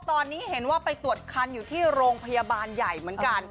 ตอนนี้เห็นว่าไปตรวจคันอยู่ที่โรงพยาบาลใหญ่เหมือนกัน